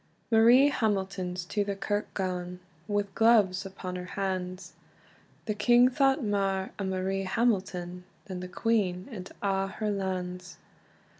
Marie Hamilton's to the kirk gane, Wi gloves upon her hands; The king thought mair o Marie Hamilton, Than the queen and a' her lands.